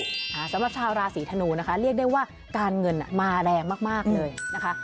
สำหรับชาวราศีธนูนะคะเรียกได้ว่าการเงินมาแรงมากมากเลยนะคะ